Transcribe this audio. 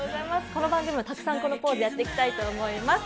この番組でもたくさんこのポーズやっていきたいと思います。